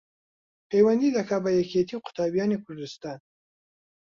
پەیوەندی دەکا بە یەکێتی قوتابیانی کوردستان